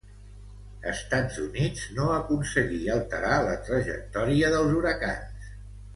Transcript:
Estats Units no aconseguí alterar la trajectòria dels huracans.